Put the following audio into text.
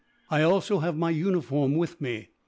I also have my uniform with me.